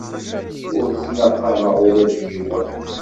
Ur ttnaqameɣ ula d yiwen.